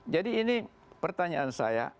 jadi ini pertanyaan saya